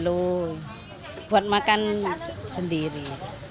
oh buat makan sendiri